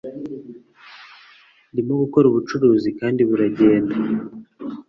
Ndimo gukora ubucuruzi kandi buragenda.